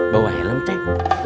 bawa helm cek